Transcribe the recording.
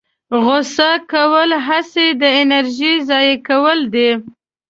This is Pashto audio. غوسه کول هسې د انرژۍ ضایع کول دي.